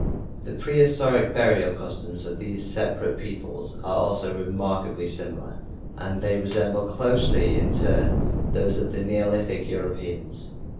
The prehistoric burial customs of these separate peoples are also remarkably similar and they resemble closely in turn those of the Neolithic Europeans.